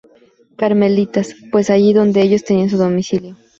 Carmelitas, pues es allí donde ellos tenían su domicilio.